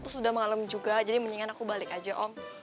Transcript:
terus sudah malam juga jadi mendingan aku balik aja om